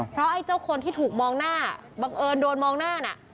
เพราะไอ้เจ้าคนที่ถูกมองหน้าบังเอิญโดนมองหน้าน่ะ